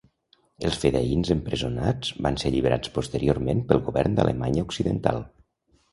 Els fedaïns empresonats van ser alliberats posteriorment pel govern d'Alemanya occidental.